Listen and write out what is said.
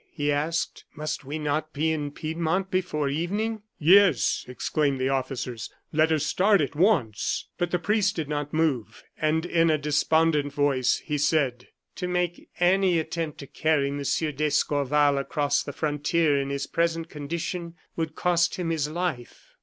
he asked. "Must we not be in Piedmont before evening?" "Yes!" exclaimed the officers, "let us start at once." But the priest did not move, and in a despondent voice, he said: "To make any attempt to carry Monsieur d'Escorval across the frontier in his present condition would cost him his life."